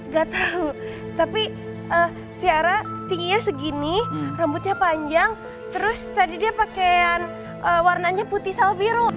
gak tau tapi tiara tingginya segini rambutnya panjang terus tadi dia pakaian warnanya putih sal biru